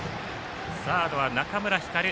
サードは中村光琉。